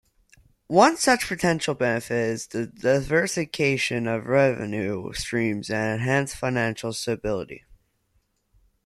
One such potential benefit is the diversification of revenue streams and enhanced financial stability.